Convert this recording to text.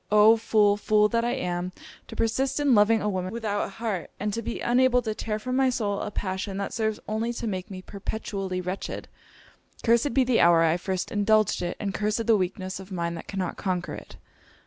Oh! fool, fool that I am, to persist in loving a woman without an heart, and to be unable to tear from my soul a passion that serves only to make me perpetually wretched. Cursed be the hour I first indulged it, and cursed the weakness of mind that cannot conquer it!'